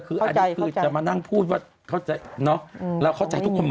เข้าใจว่าเดือดร้อนแล้วก็เขาก